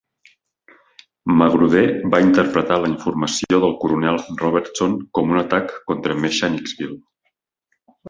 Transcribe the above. Magruder va interpretar la informació del coronel Robertson com un atac contra Mechanicsville.